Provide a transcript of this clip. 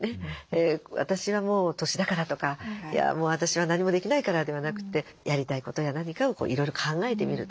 私はもう年だからとかもう私は何もできないからではなくてやりたいことや何かをいろいろ考えてみると。